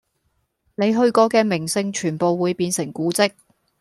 你去過嘅名勝全部會變成古蹟